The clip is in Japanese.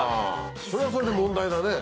それはそれで問題だね。